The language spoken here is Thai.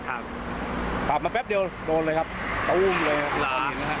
ขับมาแป๊บเดียวโดนเลยครับตู้มเลย